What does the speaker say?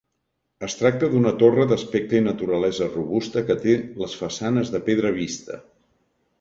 Es tracta d'una torre d'aspecte i naturalesa robusta que té les façanes de pedra vista.